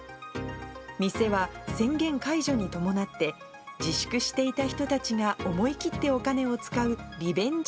店は宣言解除に伴って、自粛していた人たちが思い切ってお金を使うリベンジ